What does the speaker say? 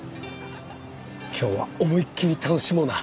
今日は思いっきり楽しもうな